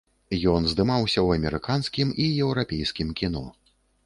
Ён здымаўся ў амерыканскім і еўрапейскім кіно.